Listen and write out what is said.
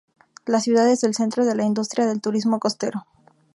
La ciudad es el centro de la industria del turismo costero.